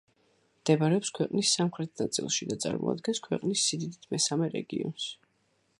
მდებარეობს ქვეყნის სამხრეთ ნაწილში და წარმოადგენს ქვეყნის სიდიდით მესამე რეგიონს.